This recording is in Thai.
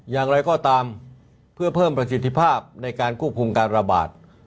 อย่างไรก็ตามเพื่อเพิ่มประสิทธิภาพในการควบคุมการระบาด